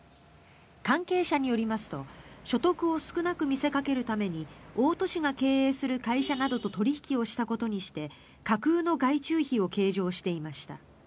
関係者によりますと所得を少なく見せかけるために大戸氏が経営する会社などと取引をしたことにして架空の外注費を計上していました。